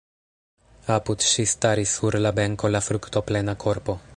Apud ŝi staris sur la benko la fruktoplena korpo.